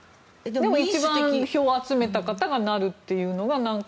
一番票を集めた方がなるというのが、なんか。